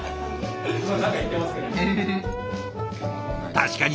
確かに！